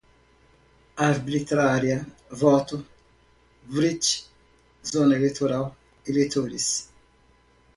arbitrária, voto, writ, zona eleitoral, eleitores